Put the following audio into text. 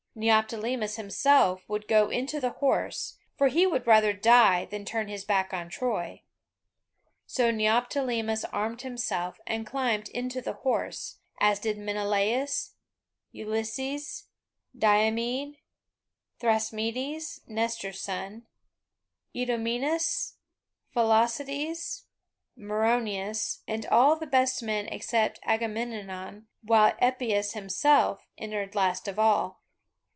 Neoptolemus himself would go into the horse, for he would rather die than turn his back on Troy. So Neoptolemus armed himself and climbed into the horse, as did Menelaus, Ulysses, Diomede, Thrasymedes (Nestor's son), Idomeneus, Philoctetes, Meriones, and all the best men except Agamemnon, while Epeius himself entered last of all.